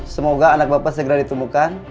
semoga anak bapak segera ditemukan